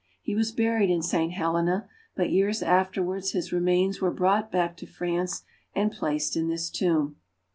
He was buried in St. Helena, but years afterwards his remains were brought back to France and placed in this tomb.